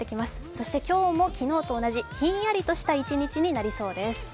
そして今日は昨日と同じひんやりとした一日になりそうです。